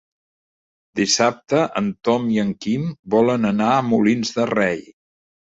Dissabte en Tom i en Quim volen anar a Molins de Rei.